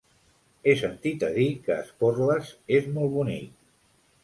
He sentit a dir que Esporles és molt bonic.